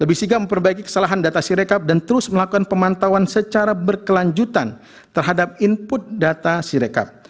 lebih sigap memperbaiki kesalahan data sirekap dan terus melakukan pemantauan secara berkelanjutan terhadap input data sirekap